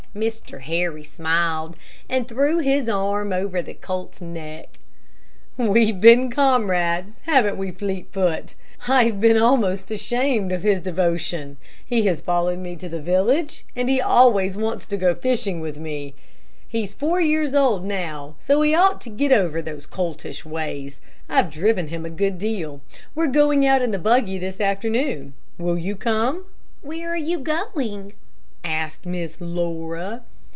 Mr. Harry smiled and threw his arm over the colt's neck. "We've been comrades, haven't we, Fleetfoot? I've been almost ashamed of his devotion. He has followed me to the village, and he always wants to go fishing with me. He's four years old now, so he ought to get over those coltish ways. I've driven him a good deal. We're going out in the buggy this afternoon, will you come?" "Where are you going?" asked Miss Laura.